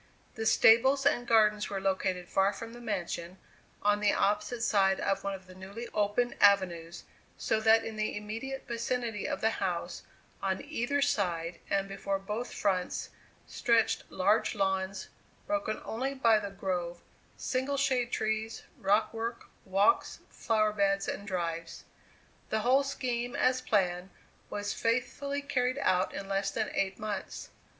The stables and gardens were located far from the mansion, on the opposite side of one of the newly opened avenues, so that in the immediate vicinity of the house, on either side and before both fronts, stretched large lawns, broken only by the grove, single shade trees, rock work, walks, flower beds and drives. The whole scheme as planned was faithfully carried out in less than eight months.